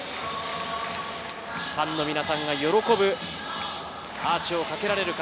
ファンの皆さんが喜ぶアーチをかけられるか。